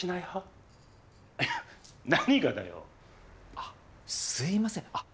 あっすいません。